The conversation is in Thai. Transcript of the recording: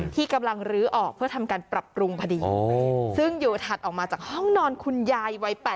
ที่กำลังลื้อออกเพื่อทำการปรับปรุงพอดีซึ่งอยู่ถัดออกมาจากห้องนอนคุณยายวัย๘๐